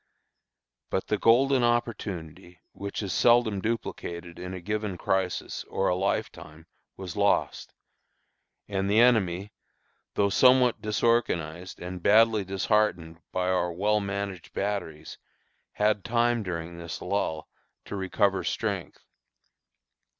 But the golden opportunity, which is seldom duplicated in a given crisis or a life time, was lost; and the enemy, though somewhat disorganized and badly disheartened by our well managed batteries, had time, during this lull, to recover strength.